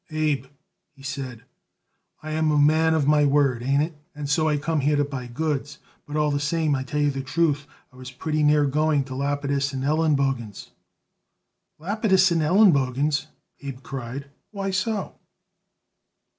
"Abe," he said, "I am a man of my word, ain't it? And so I come here to buy goods; but, all the same, I tell you the truth: I was pretty near going to Lapidus & Elenbogen's." "Lapidus & Elenbogen's!" Abe cried. "Why so?"